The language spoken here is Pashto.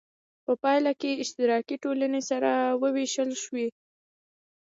په پایله کې اشتراکي ټولنې سره وویشل شوې.